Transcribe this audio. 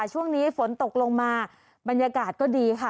ช่วงนี้ฝนตกลงมาบรรยากาศก็ดีค่ะ